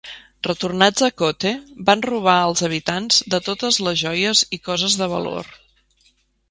Retornats a Kotte van robar als habitants de totes les joies i coses de valor.